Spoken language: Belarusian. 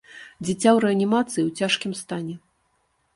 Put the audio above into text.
Дзіця ў рэанімацыі ў цяжкім стане.